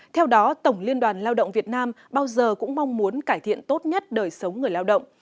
theo đó tổng liên đoàn lao động việt nam bao giờ cũng mong muốn cải thiện tốt nhất đời sống người lao động